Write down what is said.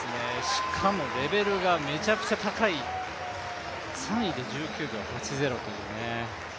しかもレベルがめちゃくちゃ高い３位で１９秒８０というね。